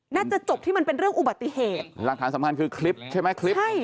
น่าจะจบที่มันเป็นเรื่องอุบัติเหตุหลักฐานสำคัญคือคลิปใช่ไหมคลิปใช่